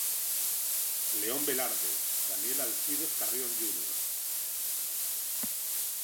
León Velarde, Daniel Alcides Carrión, Jr.